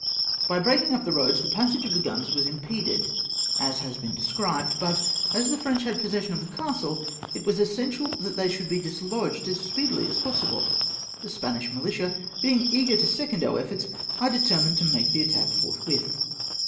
By breaking up the roads, the passage of the guns was impeded, as has been described ; but, as the French had possession of the castle, it was essential that they should be dislodged as spcethly as possible. The Spanish mihtia, being eager to second our efforts, I determined to make the attack forthwith.